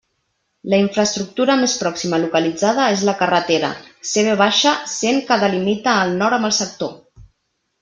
La infraestructura més pròxima localitzada és la carretera CV cent que limita al nord amb el sector.